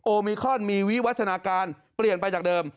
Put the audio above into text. มิคอนมีวิวัฒนาการเปลี่ยนไปจากเดิม